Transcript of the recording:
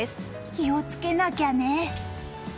気をつけなきゃね。